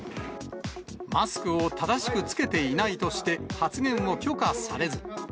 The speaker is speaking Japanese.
マスクを正しく着けていないとして、発言を許可されず。